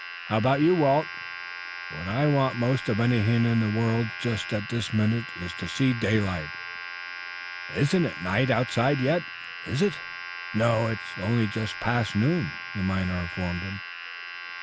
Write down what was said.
"How about you, Walt?" "What I want most of anything in the world just at this minute, is to see daylight. Isn't night outside yet, is it?" "No, it is only just past noon," the miner informed him.